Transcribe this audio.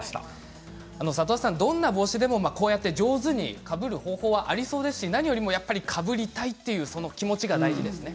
里和さん、どんな帽子でも上手にかぶる方法がありますし何よりもかぶりたいという気持ちが大事ですよね。